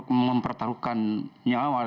tapi karena mereka adalah orang orang yang beratuk